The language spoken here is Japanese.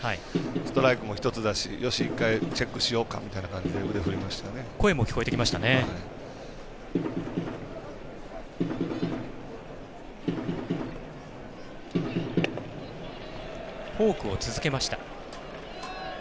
ストライクも１つだしよし、１回チェックしようかみたいな感じで腕、振りましたね。